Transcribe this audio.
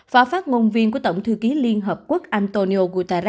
phó phát ngôn viên của tổng thư ký liên hợp quốc antonio